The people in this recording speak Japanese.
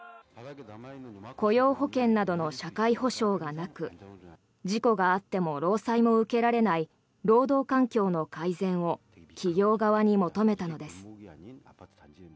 雇用保険などの社会保障がなく事故があっても労災も受けられない労働環境の改善を企業側に求めたのです。